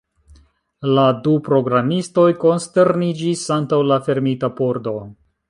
La du programistoj konsterniĝis antaŭ la fermita pordo.